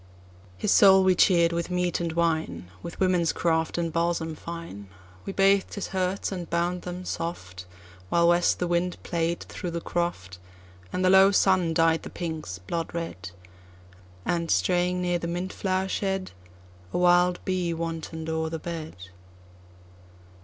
His soul we cheer'd with meat and wine; With women's craft and balsam fineWe bath'd his hurts, and bound them soft, While west the wind played through the croft, And the low sun dyed the pinks blood red, And, straying near the mint flower shed,A wild bee wanton'd o'er the bed.